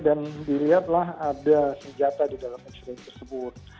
dan dilihatlah ada senjata di dalam x ray tersebut